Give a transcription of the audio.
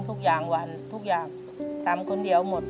ทุกวันทุกอย่างทำคนเดียวหมด